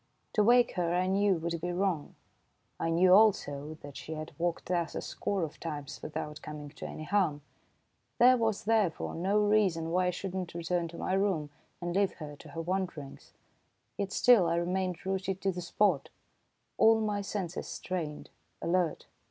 To wake her I knew would be wrong. I knew, also, that she had walked thus a score of times without coming to any harm. There was, therefore, no reason why I should not return to my room and leave her to her wandering, yet still I remained rooted to the spot, all my senses strained, alert.